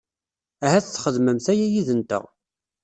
Ahat txedmemt aya yid-nteɣ.